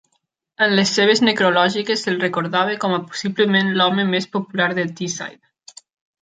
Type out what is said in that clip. En les seves necrològiques, se'l recordava com a "possiblement l'home més popular de Teesside".